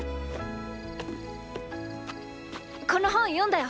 この本読んだよ！